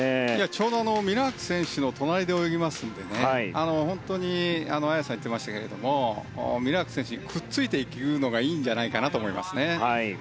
ちょうどミラーク選手の隣で泳ぎますので本当に綾さんが言ってましたけれどもミラーク選手にくっついていくのがいいんじゃないかなと思います。